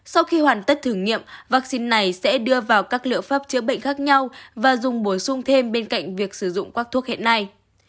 sau khi hoàn tất thử nghiệm vaccine này sẽ đưa vào các liệu pháp chữa bệnh khác nhau và dùng bổ sung thêm bên cạnh việc sử dụng các thuốc hiện nay